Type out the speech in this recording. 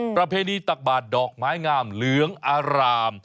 ประเพณีตักบาดดอกไม้งามเหลืองอาราม